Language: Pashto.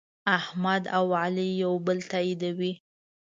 احمد او علي یو بل تأییدوي.